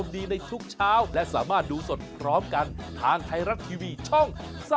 ดูสดพร้อมกันทางไทยรัฐทีวีช่อง๓๒